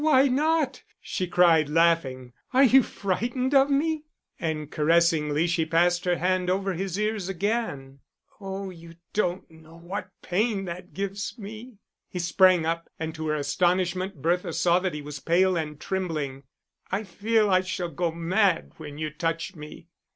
"Why not?" she cried, laughing. "Are you frightened of me?" And caressingly she passed her hand over his ears again. "Oh, you don't know what pain that gives me." He sprang up, and to her astonishment Bertha saw that he was pale and trembling. "I feel I shall go mad when you touch me."